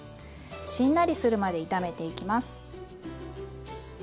しんなりするまで炒めていきます。